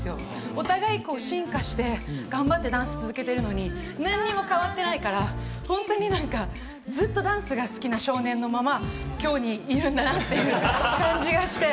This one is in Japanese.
お互い進化して、頑張ってダンスを続けてるのに何も変わってないから、ずっとダンスが好きな少年のまま、今日にいるんだなって感じがして。